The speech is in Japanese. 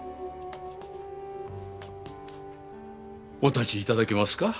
お立ち頂けますか？